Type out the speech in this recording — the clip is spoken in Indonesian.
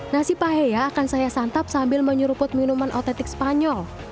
nasi paheya akan saya santap sambil menyeruput minuman otentik spanyol